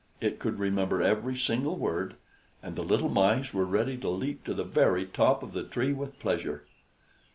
It could remember every single word; and the little Mice were ready to leap to the very top of the tree with pleasure.